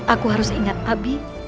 aku harus ingat abi